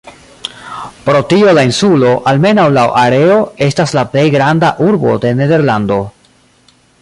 Pro tio la insulo, almenaŭ laŭ areo, estas la "plej granda urbo de Nederlando".